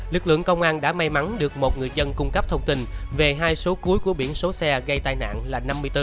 lực lượng công an đã may mắn được một người dân cung cấp thông tin về hai số cuối của biển số xe gây tai nạn là năm mươi bốn